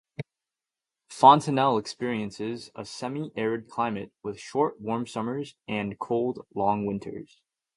Fontenelle experiences a semi-arid climate with short, warm summers and cold, long winters.